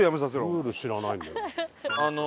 ルール知らないんだよな。